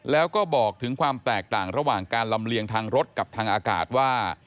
แล้วก็บอกถึงความแตกต่างระหว่างการลำเลียงทางรถกับทางอากาศว่า